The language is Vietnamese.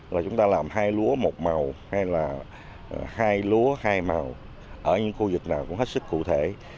là chúng ta làm hai lúa một màu hay là hai lúa hai màu ở những khu vực nào cũng hết sức cụ thể